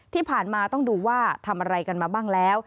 ที่ผ่านมาต้องดูว่าทำอะไรกันมาบ้างแล้ว